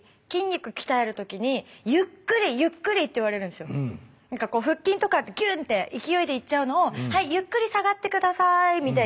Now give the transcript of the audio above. でもこれ腹筋とかギュン！って勢いでいっちゃうのを「はいゆっくり下がってください」みたいに言われるので。